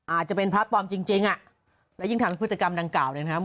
อาจจะเป็นพระปลอมจริงอ่ะแล้วยิ่งทำผุดประกับดังก่าวเนี่ยนะครับ